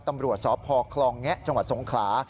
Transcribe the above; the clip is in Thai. ตำรวจสพคลองแงะจังหวัดสงขลา